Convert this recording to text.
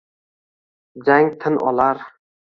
Jang tin olar